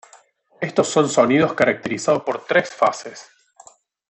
Estos son sonidos caracterizados por tres fases.